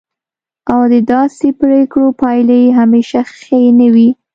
او د داسې پریکړو پایلې همیشه ښې نه وي.